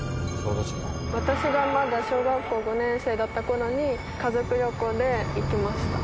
私がまだ小学校５年生だった頃に家族旅行で行きました。